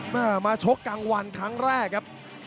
เยอร์มาโชคเก็งวันครั้งแรกครับ